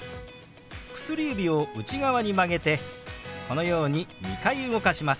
薬指を内側に曲げてこのように２回動かします。